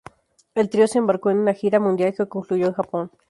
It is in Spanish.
El trío se embarcó en una gira mundial que concluyó en Japón.